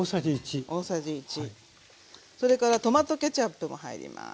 それからトマトケチャップも入ります。